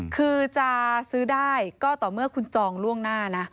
คือจะซื้อได้ก็ต่อเมื่อคุณจองล่วงหน้านะ